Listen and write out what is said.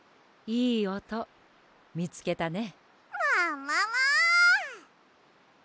いいおとみつけたね。